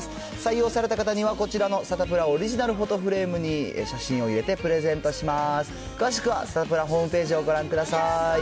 採用された方には、こちらのサタプラオリジナルフォトフレームに写真を入れてプレゼントします。